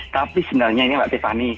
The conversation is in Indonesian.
tapi sebenarnya ini mbak tiffany